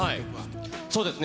そうですね。